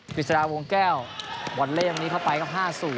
พริษระวงแก้วบอลเล่มนี้เข้าไปกับ๕๐